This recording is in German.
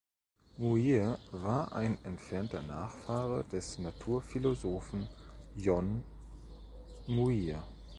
Muir war ein entfernter Nachfahre des Naturphilosophen John Muir.